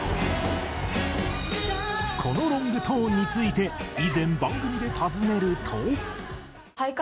このロングトーンについて以前番組で尋ねると。